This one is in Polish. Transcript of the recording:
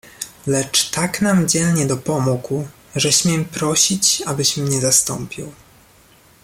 "Lecz tak nam dzielnie dopomógł, że śmiem prosić abyś mnie zastąpił."